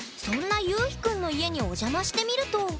そんなゆうひくんの家にお邪魔してみると。